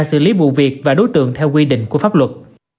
xử lý vụ việc và đối tượng theo quy định của pháp luật